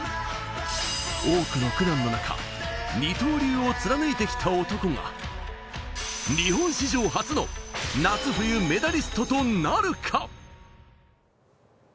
多くの苦難の中、二刀流を貫いてきた男が日本史上初の夏冬メダリストとなるか。